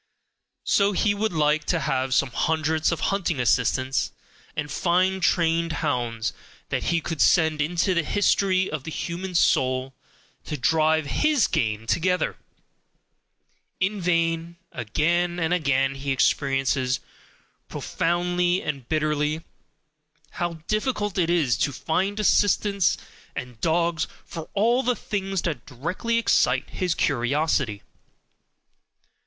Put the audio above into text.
So he would like to have some hundreds of hunting assistants, and fine trained hounds, that he could send into the history of the human soul, to drive HIS game together. In vain: again and again he experiences, profoundly and bitterly, how difficult it is to find assistants and dogs for all the things that directly excite his curiosity.